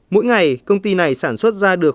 mỗi ngày công ty này sản xuất ra được